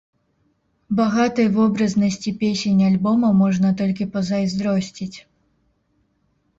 Багатай вобразнасці песень альбома можна толькі пазайздросціць.